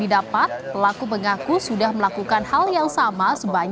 didapat pelaku mengaku sudah melakukan hal yang sama